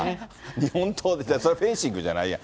日本刀で、それ、フェンシングじゃないやん。